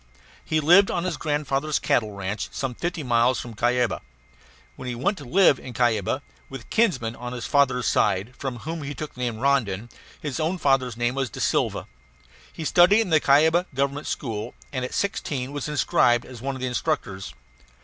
He lived on his grandfather's cattle ranch, some fifty miles from Cuyaba. Then he went to live in Cuyaba with a kinsman on his father's side, from whom he took the name of Rondon; his own father's name was DaSilva. He studied in the Cuyaba Government School, and at sixteen was inscribed as one of the instructors.